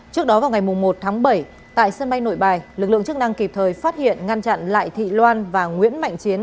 trước đó vào ngày một tháng bảy tại sân bay nội bài lực lượng chức năng kịp thời phát hiện ngăn chặn lại thị loan và nguyễn mạnh chiến